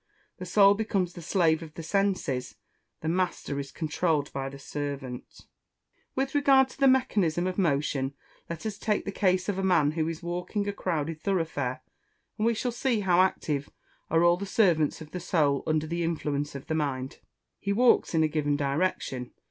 The Soul becomes the slave of the senses the master is controlled by the servants. With regard to the mechanism of motion, let us take the case of a man who is walking a crowded thoroughfare, and we shall see how active are all the servants of the Soul, under the influence of the mind. He walks along in a given direction.